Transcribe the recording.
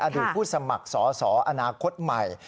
ผู้สมัครสอสออนาคตใหม่